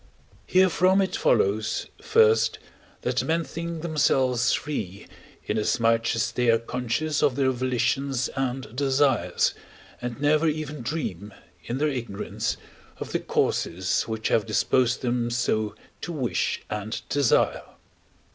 Herefrom it follows, first, that men think themselves free inasmuch as they are conscious of their volitions and desires, and never even dream, in their ignorance, of the causes which have disposed them so to wish and desire.